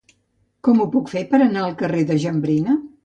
Com ho puc fer per anar al carrer de Jambrina?